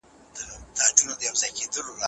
کله باید د اعصابو د ارامولو لپاره ګرمې شیدې وڅښو؟